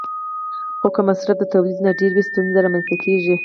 خو که مصرف د تولید نه ډېر وي، ستونزې رامنځته کېږي.